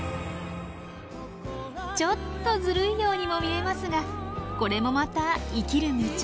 ちょっとずるいようにも見えますがこれもまた生きる道。